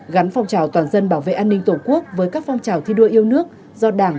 gắn phong trào toàn dân bảo vệ an ninh tổ quốc với các phong trào thi đua yêu nước do đảng